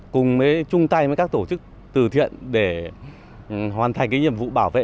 cùng với chung tay với các tổ chức từ thiện để hoàn thành cái nhiệm vụ bảo vệ